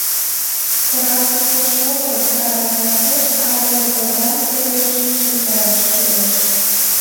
— Корак тупеш огыл, тарантасеш, але рогозан тереш шинчын каяш кӱлеш.